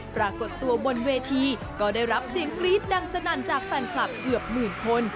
ปรากฏตัวบนเวทีก็ได้รับเสียงกรี๊ดดังสนั่นจากแฟนคลับเกือบหมื่นคน